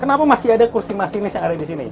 kenapa masih ada kursi masinis yang ada di sini